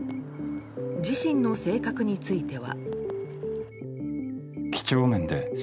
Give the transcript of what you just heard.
自身の性格については。